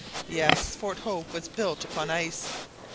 Yes, Fort Hope was built upon ice!